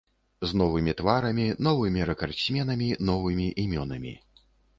З новымі тварамі, новымі рэкардсменамі, новымі імёнамі.